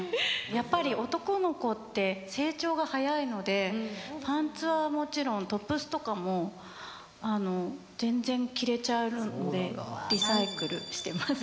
やっぱり男の子って成長が早いので、パンツはもちろん、トップスとかも、全然着れちゃうので、リサイクルしてます。